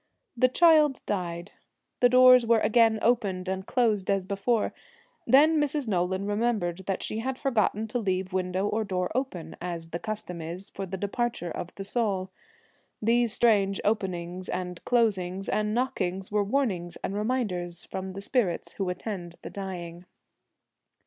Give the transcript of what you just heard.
The child died. The doors were again opened and closed as before. Then Mrs. Nolan re membered that she had forgotten to leave window or door open, as the custom is, for the departure of the soul. These strange openings and closings and knockings were warnings and reminders from the spirits who attend the dying.